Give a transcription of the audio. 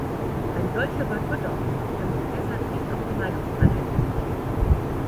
Ein solcher Boykottaufruf kann sich deshalb nicht auf die Meinungsfreiheit berufen.